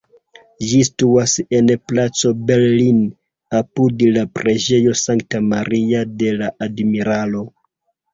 Ĝi situas en Placo Bellini, apud la Preĝejo Sankta Maria de la Admiralo.